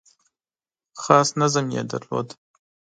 خاص نظم یې درلود .